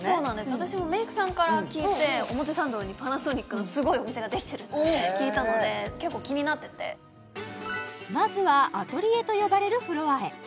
私もメイクさんから聞いて表参道にパナソニックのすごいお店ができてるって聞いたので結構気になっててまずはアトリエと呼ばれるフロアへ